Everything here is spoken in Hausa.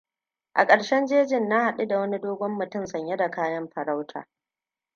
A ƙarshen jejin, na haɗu da wani dogon mutum sanye da kayan farauta.